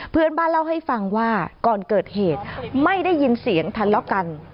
เพื่อนบ้านเล่าให้ฟังว่าก่อนเกิดเหตุไม่ได้ยินเสียงทะเลาะกัน